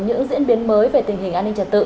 những diễn biến mới về tình hình an ninh trật tự